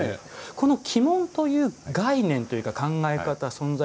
この鬼門という概念というか考え方、存在